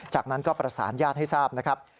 จากนั้นก็ประสานญาติให้ทราบนะครับ